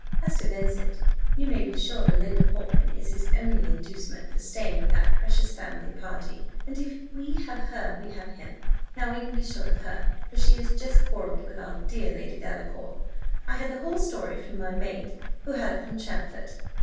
As to Vincent, you may be sure Belinda Portman is his only inducement for staying with that precious family party; and if we have her we have him. Now we can be sure of her, for she has just quarrelled with our dear Lady Delacour. I had the whole story from my maid, who had it from Champfort.